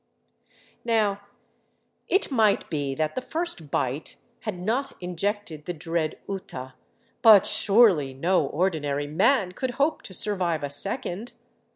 Now, it might be that the first bite had not injected the dread uta, but surely no ordinary man could hope to survive a second.